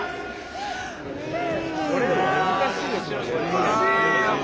これでも難しいですよね。